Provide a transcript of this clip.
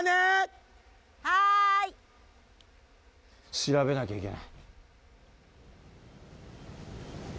調べなきゃいけない。